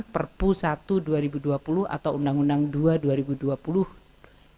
perpu satu dua ribu dua puluh atau undang undang dua dua ribu dua puluh